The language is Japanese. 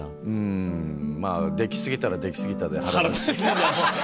んまぁでき過ぎたらでき過ぎたで腹立つし。